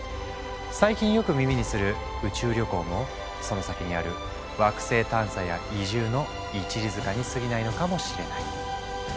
最近よく耳にする宇宙旅行もその先にある惑星探査や移住の一里塚にすぎないのかもしれない。